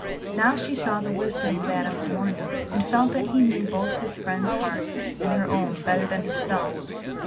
Now she saw the wisdom of Adam's warning, and felt that he knew both his friend's heart and her own better than herself.